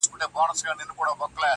دومره خو هم گراني بې باكه نه يې_